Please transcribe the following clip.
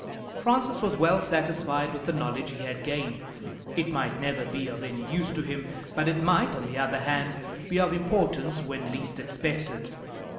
Francis was well satisfied with the knowledge he had gained. It might never be of any use to him, but it might, on the other hand, be of importance when least expected.